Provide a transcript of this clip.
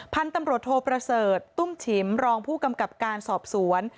พันธุ์ตำรวจโทประเสริฐตุ้มฉิมรองผู้กำกับการสอบสวน